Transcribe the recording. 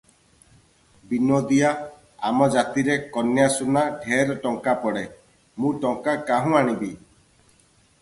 ବିନୋଦିଆ -ଆମ ଜାତିରେ କନ୍ୟାସୁନା ଢେର ଟଙ୍କା ପଡ଼େ, ମୁଁ ଟଙ୍କା କାହୁଁ ଆଣିବି?